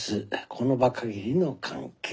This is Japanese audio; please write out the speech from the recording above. この場限りの関係。